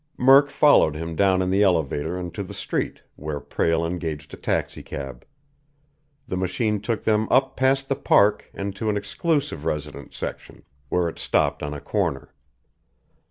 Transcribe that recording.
Murk followed him down in the elevator and to the street, where Prale engaged a taxicab. The machine took them up past the Park and to an exclusive residence section, where it stopped on a corner.